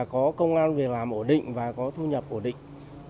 có công an việc làm ổn định và có thu nhập ổn định